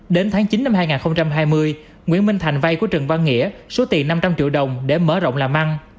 đến tháng chín năm hai nghìn hai mươi nguyễn minh thành vay của trần văn nghĩa số tiền năm trăm linh triệu đồng để mở rộng làm ăn